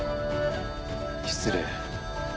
失礼。